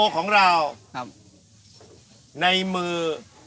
ของที่๓๒